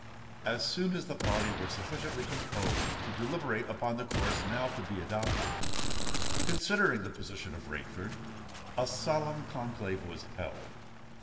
As soon as the party were sufficiently composed to deliberate upon the course now to be adopted, considering the position of Rainford, a solemn conclave was held.